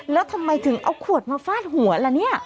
แล้วทำไมถึงเอาขวดมาฟาดหัวล่ะเนี่ย